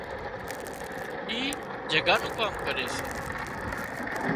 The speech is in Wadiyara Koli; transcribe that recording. اي جڳا نُون ڪام ڪري سي